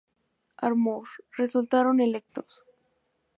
Armour, resultaron electos.